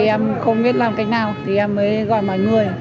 em không biết làm cách nào thì em mới gọi mọi người